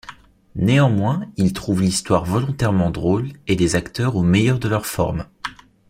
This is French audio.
Néanmoins il trouve l'histoire volontairement drôle et les acteurs au meilleur de leur forme.